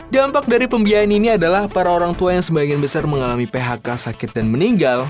dampak dari pembiayaan ini adalah para orang tua yang sebagian besar mengalami phk sakit dan meninggal